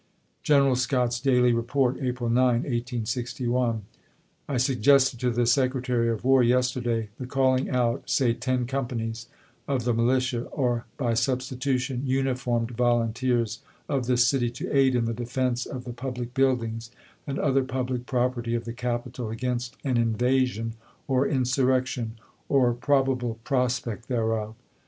General Scott's daily report, April 9, 1861 : I suggested to the Secretary of War yesterday the call ing out, say ten companies, of the militia or (by substi tution) uniformed volunteers of this city to aid in the defense of the public buildings and other public property of the Capital against ''an invasion or insurrection, or THE CALL TO ARMS 67 probable prospect thereof."